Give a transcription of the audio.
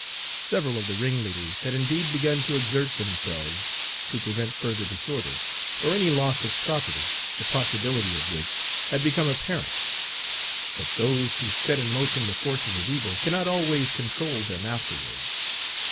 Several of the ringleaders had indeed begun to exert themselves to prevent further disorder, or any loss of property, the possibility of which had become apparent; but those who set in motion the forces of evil cannot always control them afterwards.